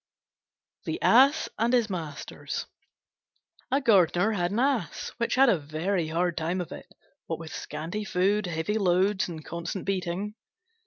THE ASS AND HIS MASTERS A Gardener had an Ass which had a very hard time of it, what with scanty food, heavy loads, and constant beating.